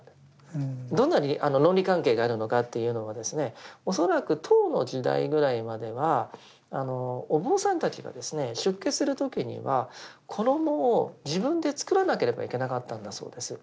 どんな論理関係があるのかというのは恐らく唐の時代ぐらいまではお坊さんたちが出家する時には衣を自分で作らなければいけなかったんだそうです。